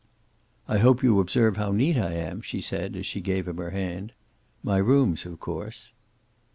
"I hope you observe how neat I am," she said, as she gave him her hand. "My rooms, of course."